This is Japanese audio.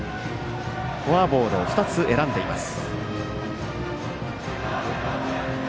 フォアボールを２つ選んでいます。